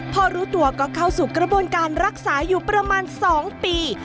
พอรู้ตัวก็เข้าสู่กระบวนการรักษาอยู่ประมาณ๒ปี